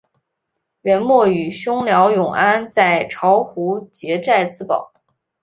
元末与兄廖永安在巢湖结寨自保。